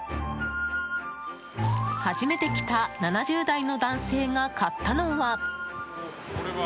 初めて来た７０代の男性が買ったのは。